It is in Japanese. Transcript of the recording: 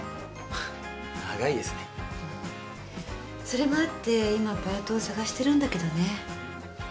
それもあって今パートを探してるんだけどね。